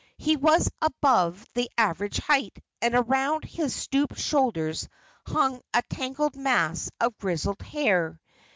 He was above the average height, and around his stooped shoulders hung a tangled mass of grizzled hair.